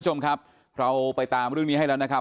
คุณผู้ชมครับเราไปตามเรื่องนี้ให้แล้วนะครับ